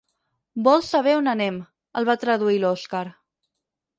Vol saber on anem —el va traduir l'Oskar—.